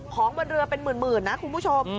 ของบนเรือเป็นหมื่นนะคุณผู้ชม